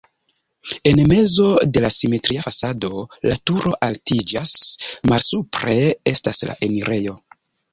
En mezo de la simetria fasado la turo altiĝas, malsupre estas la enirejo.